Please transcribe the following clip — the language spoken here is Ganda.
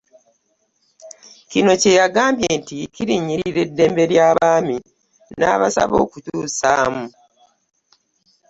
Kino kye yagambye nti kirinnyirira eddembe ly'abaami n'abasaba okukyusaamu.